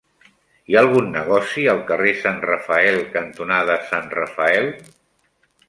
Hi ha algun negoci al carrer Sant Rafael cantonada Sant Rafael?